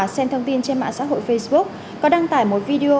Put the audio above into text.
xem thông tin trên mạng xã hội facebook có đăng tải một video